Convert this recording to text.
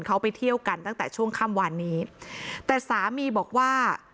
เขาไปเที่ยวกันตั้งแต่ช่วงค่ำวานนี้แต่สามีบอกว่า